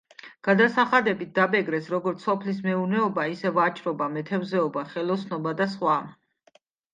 გადასახადებით დაბეგრეს როგორც სოფლის მეურნეობა, ისე ვაჭრობა, მეთევზეობა, ხელოსნობა და სხვა.